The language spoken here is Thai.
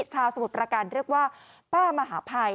ชาวสมุดประกันเรียกว่าป้ามหาภัย